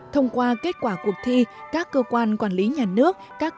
thông qua kết quả cuộc thi các cơ quan quản lý nhà nước